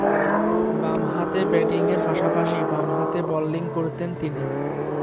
বামহাতে ব্যাটিংয়ের পাশাপাশি বামহাতে বোলিং করতেন তিনি।